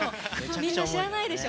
みんな知らないでしょ？